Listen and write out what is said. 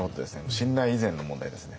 信頼以前の問題ですね。